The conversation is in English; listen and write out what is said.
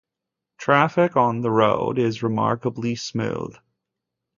Traffic on the road is remarkably smooth.